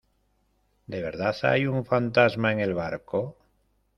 ¿ de verdad hay un fantasma en el barco?